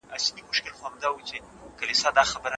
زاړه خلګ ولې کندهاري خولۍ ډېره خوښوي؟